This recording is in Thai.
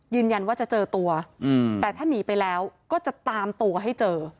ยืนยันว่าจะเจอตัวแต่ถ้าหนีไปแล้วก็จะตามตัวให้เจอ